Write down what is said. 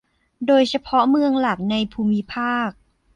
โดยเฉพาะเมืองหลักในภูมิภาค